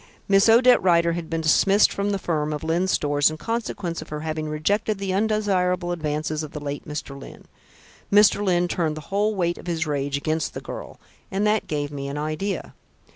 "Miss Odette Rider had been dismissed from the firm of Lyne's Stores in consequence of her having rejected the undesirable advances of the late Mr. Lyne. Mr. Lyne turned the whole weight of his rage against this girl, and that gave me an idea.